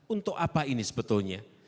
untuk apa ini sebetulnya